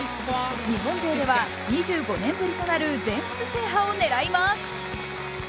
日本勢では２５年ぶりとなる全仏制覇を狙います。